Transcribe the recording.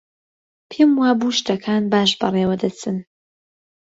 پێم وابوو شتەکان باش بەڕێوە دەچن.